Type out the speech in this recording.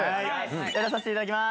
やらさせていただきます。